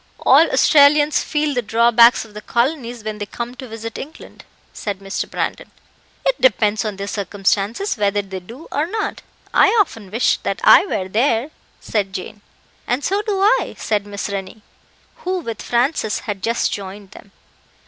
"All Australians feel the drawbacks of the colonies when they come to visit England," said Mr. Brandon. "It depends on their circumstances, whether they do or not. I often wish that I were there," said Jane. "And so do I," said Miss Rennie, who with Francis had just joined them.